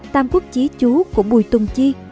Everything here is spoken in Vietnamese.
tam quốc chí chú của bùi tùng chi